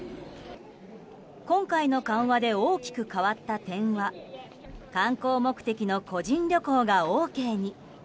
今回の緩和で大きく変わった点は観光目的の個人旅行がＯＫに。